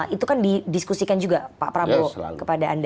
itu kan didiskusikan juga pak prabowo kepada anda